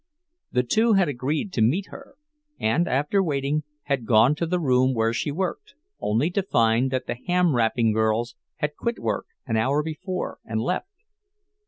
The two had agreed to meet her; and, after waiting, had gone to the room where she worked; only to find that the ham wrapping girls had quit work an hour before, and left.